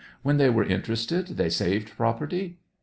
When they were interested they saved property?